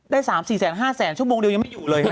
ได้สามสี่แสนห้าแสนชอบโมงเดียวยังไม่อยู่เลย